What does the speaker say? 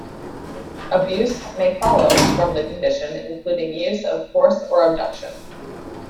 Abuse may follow from the condition including use of force or abduction.